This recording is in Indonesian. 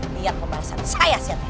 lihat pembahasan saya siate